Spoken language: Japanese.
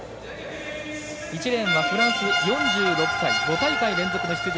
１レーンはフランス５大会連続出場。